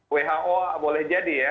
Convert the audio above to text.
who boleh jadi ya